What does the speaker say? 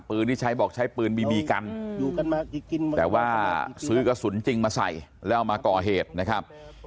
ที่ใช้บอกใช้ปืนบีบีกันแต่ว่าซื้อกระสุนจริงมาใส่แล้วเอามาก่อเหตุนะครับ